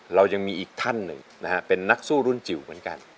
เรายังมีอีกท่านหนึ่งนะฮะเป็นนักสู้รุ่นจิ๋วเหมือนกัน